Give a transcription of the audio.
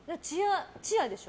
チアでしょ。